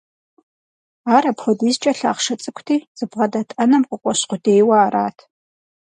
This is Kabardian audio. Ауэ ар апхуэдизкӏэ лъахъшэ цӏыкӏути, зыбгъэдэт ӏэнэм къыкъуэщ къудейуэ арат.